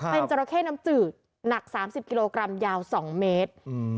เป็นจราเข้น้ำจืดหนัก๓๐กิโลกรัมยาว๒เมตร